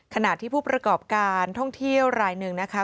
ขณะที่ผู้ประกอบการท่องเที่ยวรายหนึ่งนะคะ